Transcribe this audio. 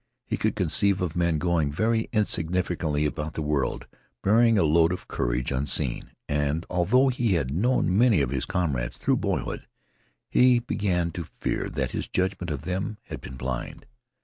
He could conceive of men going very insignificantly about the world bearing a load of courage unseen, and although he had known many of his comrades through boyhood, he began to fear that his judgment of them had been blind.